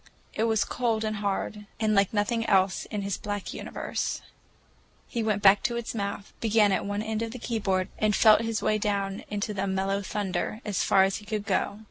It was cold and hard, and like nothing else in his black universe. He went back to its mouth, began at one end of the keyboard and felt his way down into the mellow thunder, as far as he could go.